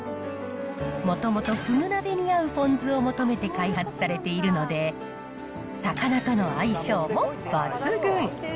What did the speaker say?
もともとフグ鍋に合うポン酢を求めて開発されているので、魚との相性も抜群。